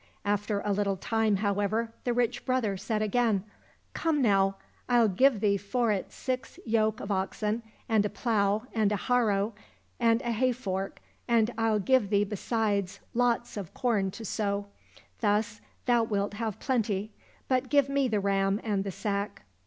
— After a little time, however, the rich brother said again, *' Come now ! I'll give thee for it six yoke of oxen, and a plough, and a harrow, and a hay fork, and I'll give thee besides, lots of corn to sow, thus thou wilt have plenty, but give me the ram and the sack."